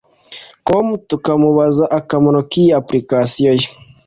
com tukamubaza akamaro k’iyi application ye